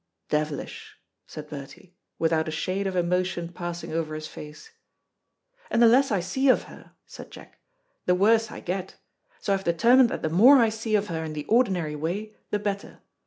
"Devilish," said Bertie, without a shade of emotion passing over his face. "And the less I see of her," said Jack, "the worse I get, so I've determined that the more I see of her in the ordinary way, the better.